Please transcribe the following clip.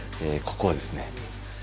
ここはですね